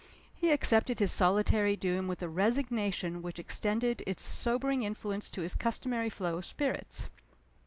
He accepted his solitary doom with a resignation which extended its sobering influence to his customary flow of spirits.